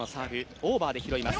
オーバーで拾います。